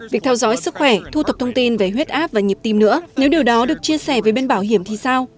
việc theo dõi sức khỏe thu thập thông tin về huyết áp và nhịp tim nữa nếu điều đó được chia sẻ với bên bảo hiểm thì sao